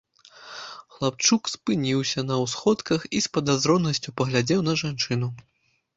Хлапчук спыніўся на ўсходках і з падазронасцю паглядзеў на жанчыну.